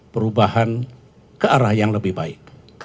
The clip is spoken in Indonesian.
perubahan ke arah yang lebih baik